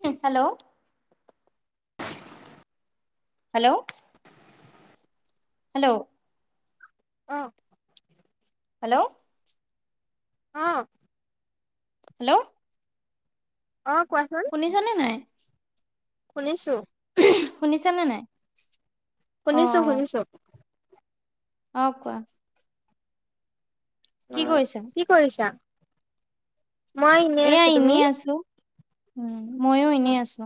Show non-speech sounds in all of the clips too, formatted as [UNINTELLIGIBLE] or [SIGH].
Hello hello hello অ' hello অ' hello অ' কোৱাচোন শুনিছানে নাই শুনিছোঁ। উম্ শুনিছানে নাই? অ শুনিছো অ শুনিছো। অ' কোৱা কি কৰিছা কি কৰিছা? মই এনেই এয়া আছো তুমি এনেই আছো উম্ ময়ো এনেই আছো।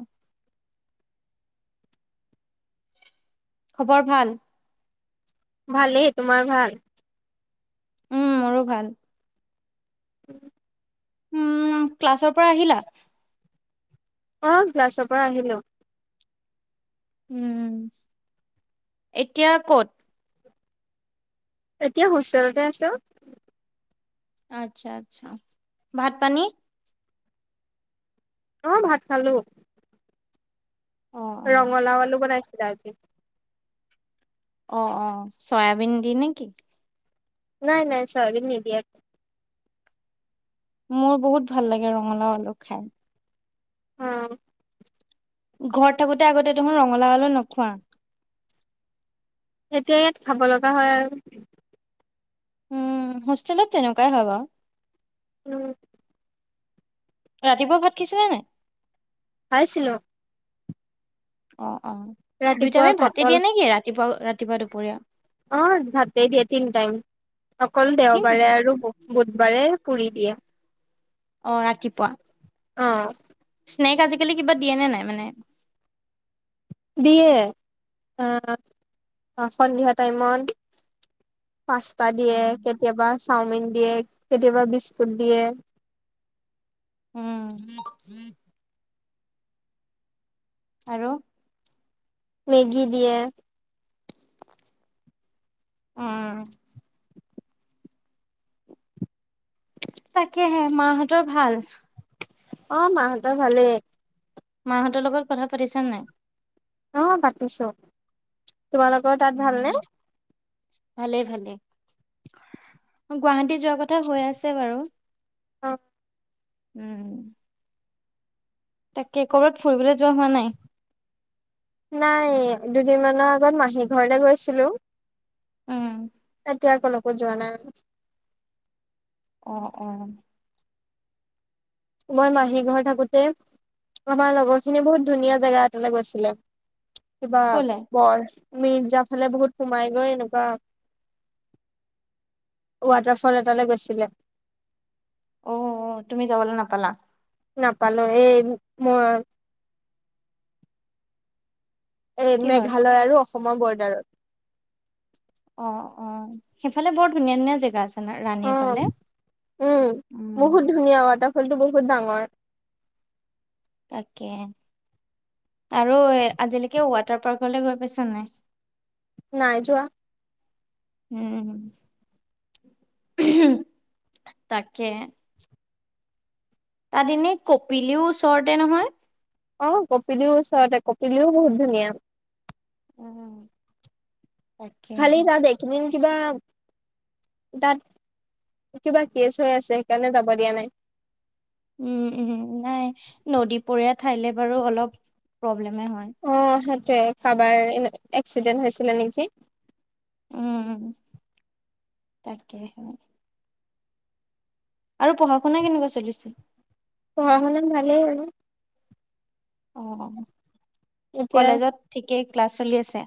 খবৰ ভাল? ভালেই। তোমাৰ ভাল? উম মোৰো ভাল। উম উম ক্লাছৰ পৰা আহিলা? অ' ক্লাছৰ পৰা আহিলো? উম এতিয়া ক'ত? এতিয়া হোষ্টেলতে আছে। আচ্ছা আচ্ছা ভাত পানী অ' ভাত খালো। অ অ ৰঙালাও আলু বনাইছে। দালি অ' অ' চয়াবিন দি নেকি? নাই নাই চয়াবিন নিদিয়াকে। মোৰ বহুত ভাল লাগে ৰঙালাও আলু খায়। অ' ঘৰত থাকোঁ‌তে আগতে দেখোন ৰঙালাও আলু নোখোৱা। এতিয়া ইয়াত খাব লগা হয় আৰু উম হোষ্টেলত তেনেকুৱাই হয় বাৰু উম ৰাতিপুৱা ভাত খাইছিলা নাই? খাইছিলো। অ' অ' ৰাতিপুৱা দুইটাইমে ভাতে পটল দিয়ে নেকি ৰাতিপুৱাও ৰাতি ৰাতিপুৱা দুপৰীয়া অ' ভাতেই দিয়ে তিনি টাইম অকল কি দেওবাৰে আৰু বুধবাৰে। পুৰি দিয়ে। অ' ৰাতিপুৱা অ' স্নেক আজিকালি কিবা দিয়ে নে নাই মানে? দিয়ে অ' সন্ধিয়া টাইমত। পাস্তা দিয়ে কেতিয়াবা। চাওমিন দিয়ে। কেতিয়াবা বিস্কুট দিয়ে। উম উ উম [INAUDIBLE] আৰু? মেগী দিয়ে। আ-আ। তাকেহে মা হঁতৰ ভাল? অ' মাহঁতৰ ভালেই। মাহঁতৰ লগত কথা পাতিছানে নাই? অ' পাতিছো তোমালোকৰ তাত ভালনেে? ভালেই ভালেই গুৱাহাটী যোৱা কথা হৈ আছে বাৰু! অ' উম তাকে ক'ৰবাত ফুৰিবলৈ যোৱা হোৱা নাই? নাই, দুদিনমানৰ আগত মাহী ঘৰলে গৈছিলো। উম এতিয়া আকৌ কত যোৱা নাই আকৌ? অ'- অ মই মাহী ঘৰ থাকোতে আমাৰ লগৰখিনি বহুত ধুনীয়া জেগা এটালে গৈছিলে। কিবা কলে বৰ [UNINTELLIGIBLE] মিৰ্জাৰ ফালে বহুত সোমাই গৈ এনেকুৱা, ৱাটাৰ ফল এটালৈ গৈছিলে। অ-অ তুমি যাবলৈ নাপালা? নাপালো এই মই এই কিহৰ মেঘালয় আৰু অসম অসমৰ বৰ্দাৰত। অ -অ সেইফালে বৰ ধুনীয়া ধুনীয়া জেগা আছে। ন ৰাণীৰ ফালে অ' উম বহুত ধুনীয়া ৱাটাৰ ফলটো বহুত ডাঙৰ। তাকে আৰু আজিলৈকে ৱাটাৰ পাৰ্কলৈ গৈ পাইছা নাই? নাই যোৱা উম, তাকে। তাত এনে কপিলিও ওচৰতে নহয়? অ' কপিলিও ওচৰতে কপিলিও বহুত ধুনীয়া। অ'। খালি তাত দেখি কিবা তাত কিবা কেছ হৈ আছে সেইকাৰণে যাব দিয়া নাই। উ -উ নাই। নদীপৰীয়া ঠাইলৈ বাৰু অলপ প্ৰব্লেম। মই হয়। সেইটোৱে কাৰোবাৰ এ এক্সিডেন্ট হৈছিলে নেকি? উম তাকেই, আৰু পঢ়া শুনা কেনেকুৱা চলিছে? পঢ়া শুনাত ভালেই হ'ল। অ'। এতিয়া কলেজত ঠিকেই ক্লাছ চলি আছে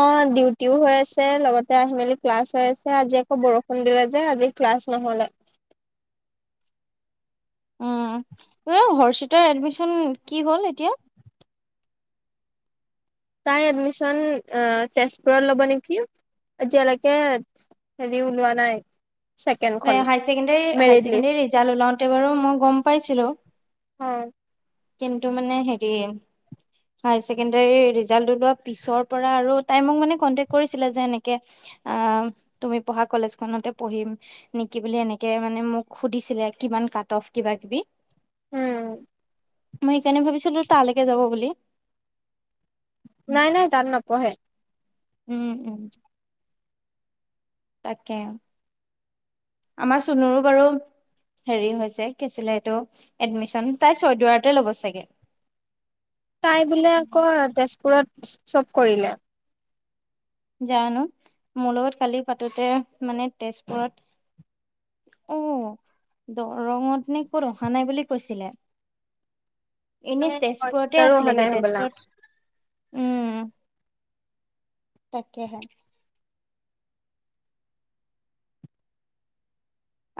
অ ডিউটিও হৈ আছে লগতে আহি মেলি ক্লাছ হৈ আছে। আজি আকৌ বৰষুণ দিলে যে আজি ক্লাছ নহলে। উম্ উ হৰ্ষিতাৰ এডমিচন কি হ'ল এতিয়া? তাই এডমিচন তেজপুৰত ল'ব নেকি! এতিয়ালৈকে হেৰি ওলোৱা নাই এ ছেকেণ্ডখন হাইছেকেণ্ডাৰী মেৰিট লিষ্ট হাইছেকেণ্ডাৰীৰ ৰিজাল্ট ওলাওতে বাৰু মই গম পাইছিলো। অ', কিন্তু মানে হেৰি হাইছেকেণ্ডাৰী ৰিজাল্ট উলোৱা পিছৰ পৰা আৰু তাই মোক মানে কণ্টেক কৰিছিলে যে এনেকে তুমি পঢ়া কলেজখনতে পঢ়িম নেকি বুলি এনেকে মানে মোক সুধিছিলে কিমান কাট অফ্? কিবাকিবি উম। মই সেইকাৰণে ভাবিছিলো তালৈকে যাব বুলি। নাই নাই তাত নপঢ়ে উম উম তাকে আমাৰ চুনুৰো বাৰু হেৰি হৈছে কি হৈছিলে এইটো এডমিশন তাই চৈদুৱাৰতে ল'ব চাগে তাই বোলে আকৌ তেজপুৰত চ -চব কৰিলে। জানো, মোৰ লগত কালি পাতোতে মানে তেজপুৰত অ দৰঙত নে ক'ত অহা নাই বুলি কৈছিলে। এনেই তেজপুৰতে হৰ্ষিতাৰো অহা আছিলেগে নাই হ'বলা তেজপুৰত তাকে হে।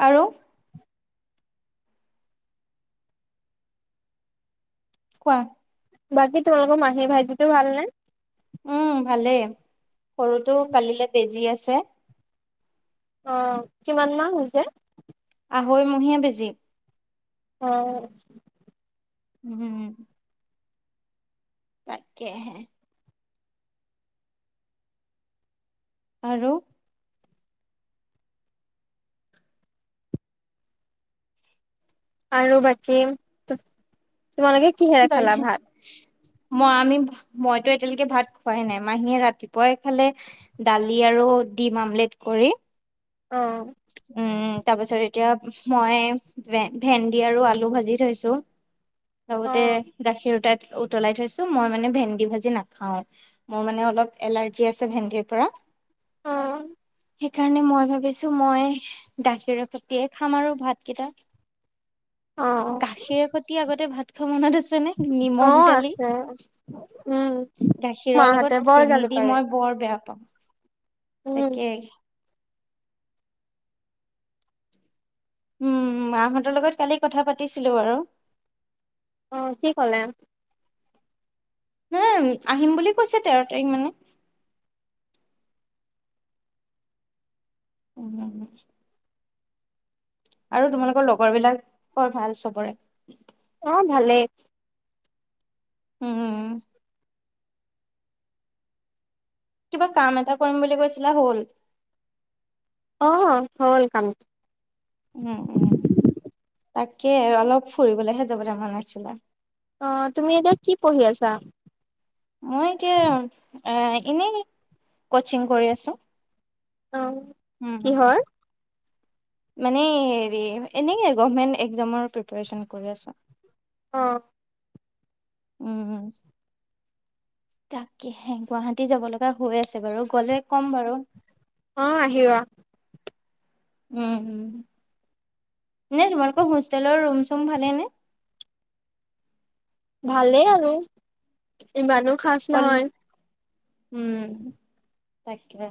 আৰু কোৱা বাকী তোমালোকৰ মাহী ভাইটিটোৰ ভালনে? উম ভালেই। সৰুটো কালিলৈ বেজি আছে। যে। অ কিমান মাহ হৈছে? আঢ়ৈ মহীয়া বেজি। অ। উম্ হম্ তাকেহে আৰু? আৰু বাকী তোমালোকে কিহেৰে খালা ভাত? মই, আমি মইতো এতিয়ালৈকে ভাত খোৱাই নাই মাহীয়ে ৰাতিপুৱাই খালে দালি আৰু ডিম অমলেট কৰি অ উম্ হম্ তাৰ পিছত এতিয়া মই ভে -ভেন্দি আৰু আলু ভাজি থৈছো। অ লগতে গাখীৰ তাত উতলাই থৈছো। মই মানে ভেন্দি ভাজি নাখাও। মোৰ মানে অলপ এলাৰ্জি আছে ভেন্দিৰ পৰা। অ সেইকাৰণে মই ভাবিছো মই গাখীৰ সতিয়ে খাম আৰু ভাতকেইটা অ গাখীৰ শতিয়ে আগতে ভাত তোৰ মনত আছে নে অ নিমখ দালি আছে উম গাখীৰৰ লগত মাহতে বৰ গালি পাৰে উম তাকেই। উম। মাহঁতৰ লগত কালি কথা পাতিছিলো আৰু। অ' কি ক'লে? নয় আহিম বুলি কৈছে তেৰ তাৰিখমানে! উম। আৰু তোমালোকৰ লগৰবিলাকৰ বৰ ভাল চবৰে? অ' ভালেই। উম। কিবা কাম এটা কৰিম বুলি কৈছিলা হ'ল? অ' হ'ল কাম উম উম। তাকে অলপ ফুৰিবলেহে যাবলৈ মন আছিলে। অ' তুমি এতিয়া কি পঢ়ি আছা? মই এতিয়া এ- এনেই কচিং কৰি আছো। অ' উম কিহৰ? মানে হেৰি, এনেই গভমেন একজামৰ প্ৰিপাৰেচন কৰি আছোঁ। অ'। উম। তাকেহে গুৱাহাটী যাব লগা হৈ আছে বাৰু গ'লে কম বাৰু। অ' আহিবা উম উম। এনেই তোমালোকৰ হোষ্টেলৰ ৰুম-চুম ভালেই নে? ভালেইে আৰু! ইমানো খাচ কল নহয়। উম। তাকে।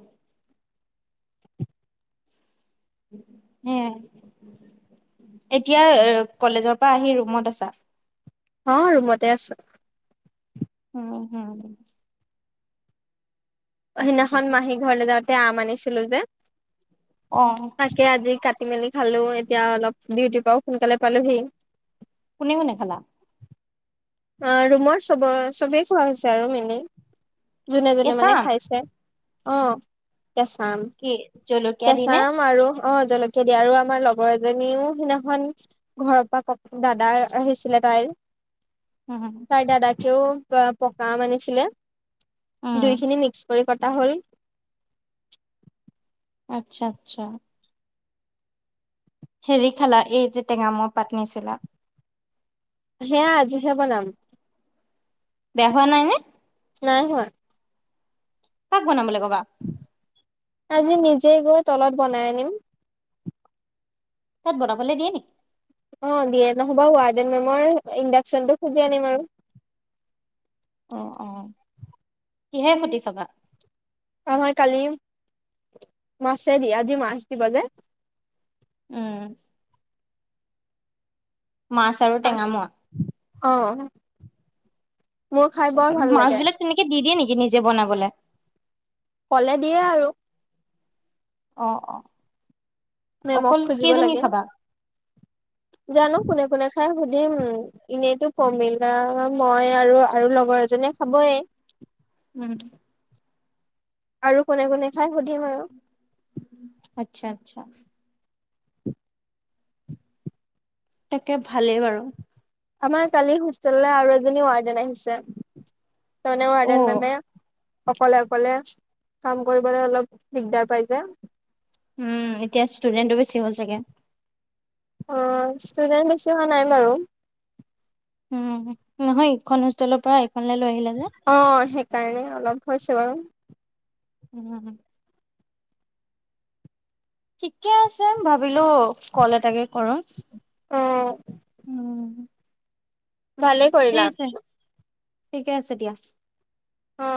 সেয়াই। এতিয়া কলেজৰ পৰা আহি ৰুমত আছা? অ' ৰুমতে আছো। উম হুম। অ' সেইদিনাখন মাহীৰ ঘৰলে যাওঁতে তে আম আনিছিলোঁ যে। অ তাকে আজি কাটি-মেলি খালো এতিয়া অলপ ডিউটি পাও সোনকালে পালোহি। কোনে কোনে খালা? অ' ৰুমৰ চব-চবেই খোৱা হৈছে আৰু এনেই যোনে যোনে কেঁচা মানে আম খাইছে! অ' কেঁচা আম। কি জলকীয়া কেঁচা দিনে আম আৰু অ' জলকীয়া দিয়া আৰু আমাৰ লগৰ এজনীও সিদিনাখন ঘৰৰ পৰা ক-দাদা আহিছিলে তাইৰ। উম তাইৰ দাদাকেও প-পকা আম আনিছিলে। উম, দুইখিনি মিক্স কৰি কটা হ'ল। আচ্ছা আচ্ছা। হেৰি খালা এই যে টেঙামৰা পাত নিছিলা? সেয়া আজিহে বনাম। বেয়া হোৱা নাই নে? নাই হোৱা। কাক বনাবলৈ কবা? আজি নিজে গৈ তলত বনাই আনিম। তাত বনাবলে দিয়ে নেকি? অ দিয়ে নহ'বা ৱাৰ্ডেন মেমৰ ইণ্ডাকচনটো খুজি আনিম আৰু। অ-অ কিহে সতি খাবা? আমাৰ কালি মাছেদি, আজি মাছ দিবা যে। উম। মাছ আৰু টেঙা মোৱা। অ মোৰ খাই বৰ আচ্ছা, ভাল মাছ লাগে বিলাক তেনেকে দি দিয়ে নেকি নিজে বনাবলে। কলে দিয়ে আৰু। অ-অ মেমক খুজিব লাগে। জানো কোনে-কোনে খাই সুধিম এনেইতো প্ৰমিলা মই আৰু -আৰু লগৰ এজনীয়ে খাবয়ে। উম। আৰু কোনে-কোনে খাই সুধিম আৰু। আচ্ছা-আচ্ছা, তাকে ভালেই বাৰু। আমাৰ কালি হোষ্টেললৈ আৰু এজনী ৱাৰ্ডেন আহিছে। এনেও ৱাৰ্ডেন অ', মেমে অকলে-অকলে কাম কৰিবলৈ অলপ দিগদাৰ পাই যে। উম, এতিয়া ষ্টুডেন্টটো বেছি। হ চাগে। অ ষ্টুডেন্ট বেছি হোৱা নাই বাৰু। উম নহয়, ইখন হোষ্টেলৰ পৰা এইখনলৈ লৈ আহিলা যে অ সেইকাৰণে অলপ হৈছে বাৰু। উ- উ - উ [UNINTELLIGIBLE] ঠিকে আছে, ভাবিলো কল এটাকে কৰো। অ', উম। ভালে ঠিক কৰিলা। আছে। ঠিকে আছে দিয়া। অ'।